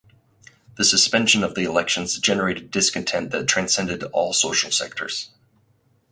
The suspension of the elections generated discontent that transcended all social sectors.